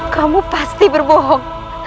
kamu pasti berbohong